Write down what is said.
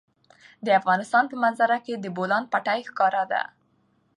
د افغانستان په منظره کې د بولان پټي ښکاره ده.